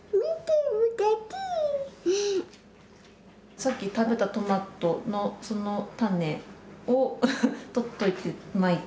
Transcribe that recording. さっき食べたトマトのその種を取っといてまいて